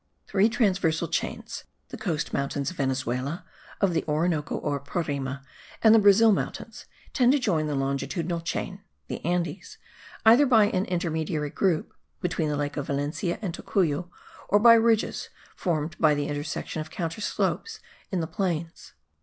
Three transversal chains (the coast mountains of Venezuela, of the Orinoco or Parime, and the Brazil mountains) tend to join the longitudinal chain (the Andes) either by an intermediary group (between the lake of Valencia and Tocuyo), or by ridges formed by the intersection of counter slopes in the plains.